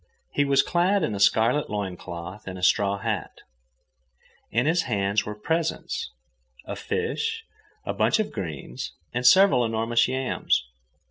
He was clad in a scarlet loin cloth and a straw hat. In his hands were presents—a fish, a bunch of greens, and several enormous yams.